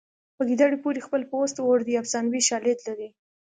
په ګیدړې پورې خپل پوست اور دی افسانوي شالید لري